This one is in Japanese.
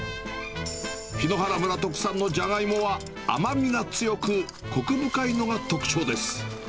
檜原村特産のジャガイモは、甘みが強く、こく深いのが特徴です。